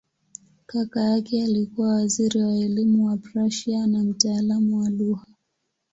Kaka yake alikuwa waziri wa elimu wa Prussia na mtaalamu wa lugha.